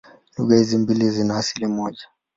Lugha hizi mbili zina asili moja.